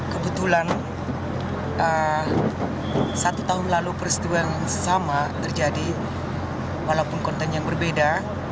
kebetulan satu tahun lalu peristiwa yang sama terjadi walaupun kontennya berbeda